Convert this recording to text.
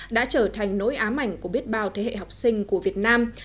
đã trở thành nỗi ám ảnh của biết bao thế hệ học sinh của việt nam